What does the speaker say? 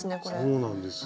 そうなんですよ。